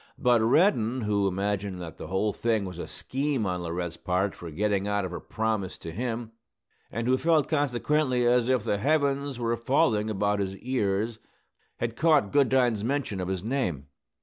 But Reddin, who imagined that the whole thing was a scheme on Laurette's part for getting out of her promise to him, and who felt, consequently, as if the heavens were falling about his ears, had caught Goodine's mention of his name.